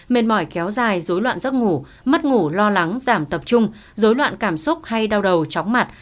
mệt mỏi kéo dài dối loạn giấc ngủ mất ngủ lo lắng giảm tập trung dối loạn cảm xúc hay đau đầu chóng mặt